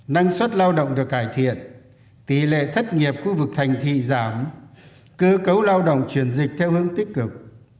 năng suất lao động được cải thiện tỷ lệ thất nghiệp khu vực thành thị giảm cơ cấu lao động chuyển dịch theo hướng tích cực